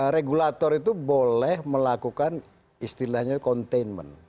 regulator itu boleh melakukan istilahnya containment